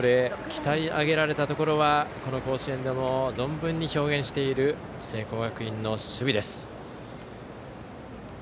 鍛え上げられたところはこの甲子園でも存分に表現している聖光学院の守備です。